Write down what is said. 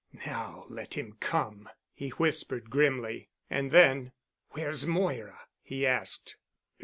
"Now let him come," he whispered grimly. And then, "Where's Moira?" he asked.